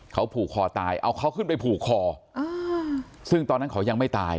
เขาผูกคอตายเอาเขาขึ้นไปผูกคอซึ่งตอนนั้นเขายังไม่ตาย